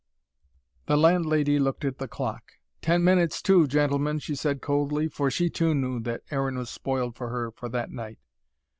The landlady looked at the clock. "Ten minutes to, gentlemen," she said coldly. For she too knew that Aaron was spoiled for her for that night.